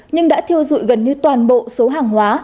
nhưng đã thiêu dụi gần như toàn bộ số hàng hóa